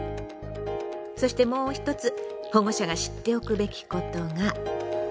そしてもう一つ保護者が知っておくべきことが。